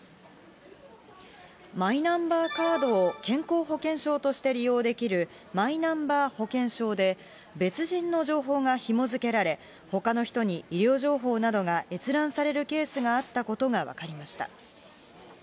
マイナンバーカードを健康保険証として利用できる、マイナンバー保険証で、別人の情報がひも付けられ、ほかの人に医療情報などが閲覧されるケースがあったことが分かりました。